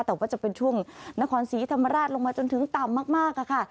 แต่ว่าจะเป็นช่วงนครศรีธรรมราชลงมาจนถึงต่ำมากค่ะ